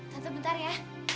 tante bentar ya